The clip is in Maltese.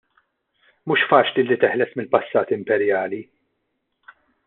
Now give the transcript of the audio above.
Mhux faċli li teħles mill-passat imperjali.